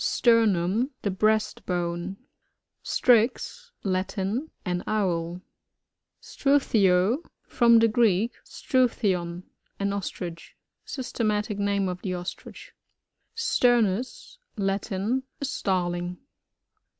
Sternum.— The breast bone. Strix. — Latin. An Owl. Struthio. — From the Greek, s^oic. thidn^ an Ostrich. Systemadc name of the Ostrich. Sturnus.— Latin. A Starling.